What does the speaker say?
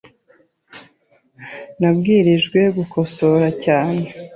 Nabwirijwe gukosora cyane.